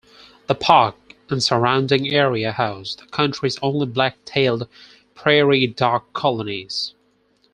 The park and surrounding area house the country's only black-tailed prairie dog colonies.